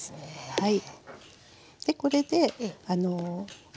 はい。